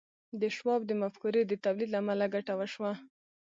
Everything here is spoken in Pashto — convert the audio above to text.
د شواب د مفکورې د تولید له امله ګټه وشوه